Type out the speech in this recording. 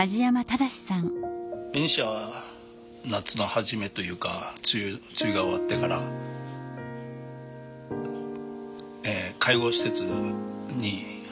ベニシアは夏の初めというか梅雨が終わってから介護施設に入りました。